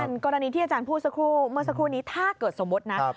กรณีที่อาจารย์พูดสักครู่เมื่อสักครู่นี้ถ้าเกิดสมมุตินะ